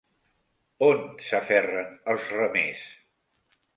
On s'aferren els remers?